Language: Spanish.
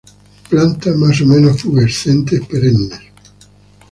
Planta más o menos pubescentes, perennes.